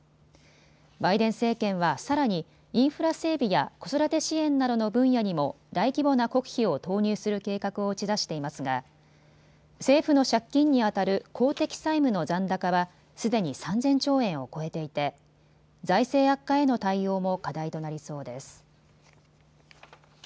バイデン政権はさらにインフラ整備や子育て支援などの分野にも大規模な国費を投入する計画を打ち出していますが政府の借金にあたる公的債務の残高はすでに３０００兆円を超えていて財政悪化への対応も課題となりそうです。